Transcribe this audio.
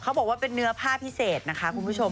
บอกว่าเป็นเนื้อผ้าพิเศษนะคะคุณผู้ชม